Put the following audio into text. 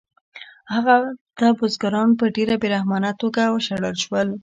هلته بزګران په ډېره بې رحمانه توګه وشړل شول